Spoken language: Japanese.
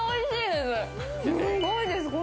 すんごいです